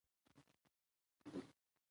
زه د سونا او یخو اوبو ګټې پرتله کوم.